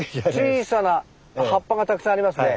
小さな葉っぱがたくさんありますね。